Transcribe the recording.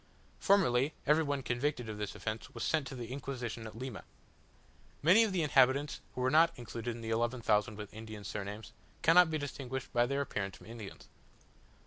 Formerly, every one convicted of this offence was sent to the Inquisition at Lima. Many of the inhabitants who are not included in the eleven thousand with Indian surnames, cannot be distinguished by their appearance from Indians.